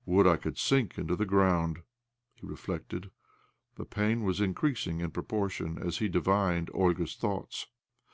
"" Would I could sink into the ground !" he reflected. The pain was increasing in proportion as he divined Olga's thoughts.